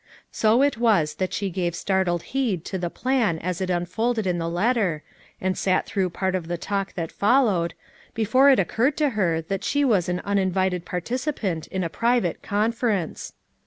So it was that she gave startled heed to the plan as it unfolded in the letter, and sat through part of the talk that followed, before it occurred to her that she was an uninvited participant in a private conference.